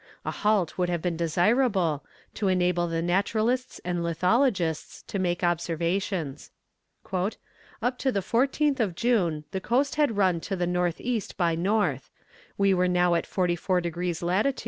A halt would have been desirable, to enable the naturalists and lithologists to make observations. "Up to the 14th of June the coast had run to the N.E. by N. We were now in 44 degrees lat.